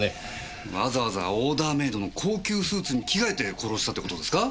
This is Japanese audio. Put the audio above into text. わざわざオーダーメードの高級スーツに着替えて殺したって事ですか？